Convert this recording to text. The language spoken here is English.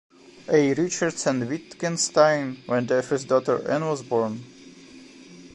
A. Richards and Wittgenstein, when their first daughter, Anne was born.